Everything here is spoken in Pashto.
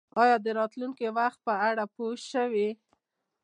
ایا د راتلونکي وخت په اړه پوه شوئ؟